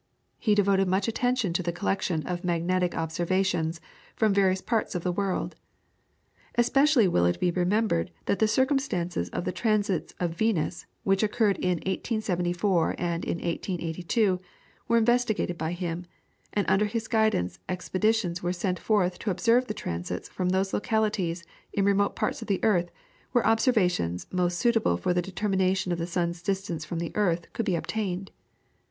He devoted much attention to the collection of magnetic observations from various parts of the world. Especially will it be remembered that the circumstances of the transits of Venus, which occurred in 1874 and in 1882, were investigated by him, and under his guidance expeditions were sent forth to observe the transits from those localities in remote parts of the earth where observations most suitable for the determination of the sun's distance from the earth could be obtained.